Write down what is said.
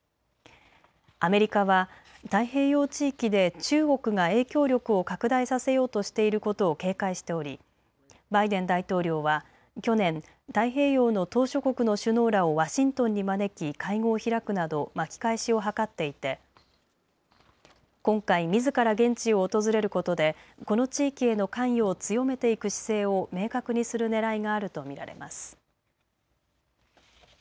アメリカは太平洋地域で中国が影響力を拡大させようとしていることを警戒しておりバイデン大統領は去年、太平洋の島しょ国の首脳らをワシントンに招き会合を開くなど巻き返しを図っていて今回みずから現地を訪れることでこの地域への関与を強めていく姿勢を明確にするねらいがあると見られます。